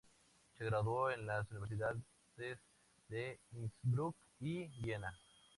Se graduó en las universidades de Innsbruck y Viena.